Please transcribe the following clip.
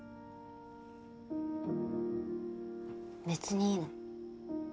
別にいいの。